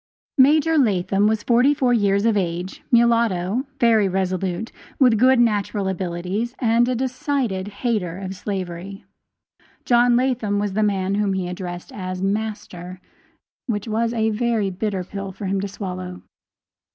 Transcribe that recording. Major Latham was forty four years of age, mulatto, very resolute, with good natural abilities, and a decided hater of slavery. John Latham was the man whom he addressed as "master," which was a very bitter pill for him to swallow.